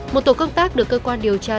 một tổ công tác được cơ quan điều tra